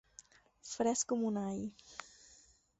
Fresc com un all.